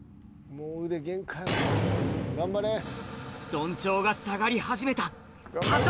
緞帳が下がり始めた